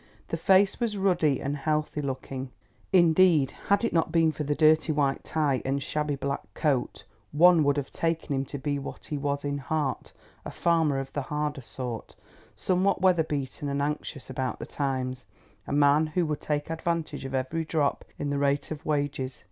The face was ruddy and healthy looking, indeed, had it not been for the dirty white tie and shabby black coat, one would have taken him to be what he was in heart, a farmer of the harder sort, somewhat weather beaten and anxious about the times—a man who would take advantage of every drop in the rate of wages.